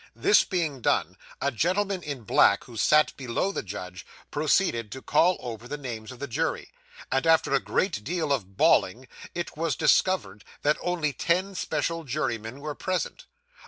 This being done, a gentleman in black, who sat below the judge, proceeded to call over the names of the jury; and after a great deal of bawling, it was discovered that only ten special jurymen were present.